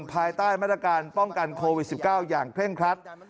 ภายใต้มาตรการป้องกันโควิด๑๙อย่างเคร่งครัด